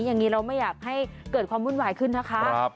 อย่างนี้เราไม่อยากให้เกิดความวุ่นวายขึ้นนะคะ